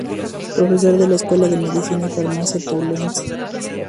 Profesor de la Escuela de Medicina y Farmacia de Toulouse.